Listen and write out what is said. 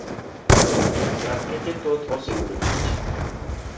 lakteche thoth oseyudo tich.